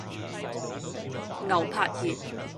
牛柏葉